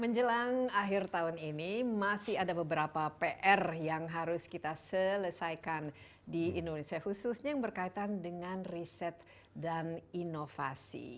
menjelang akhir tahun ini masih ada beberapa pr yang harus kita selesaikan di indonesia khususnya yang berkaitan dengan riset dan inovasi